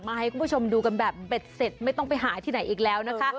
ให้คุณผู้ชมดูกันแบบเบ็ดเสร็จไม่ต้องไปหาที่ไหนอีกแล้วนะคะ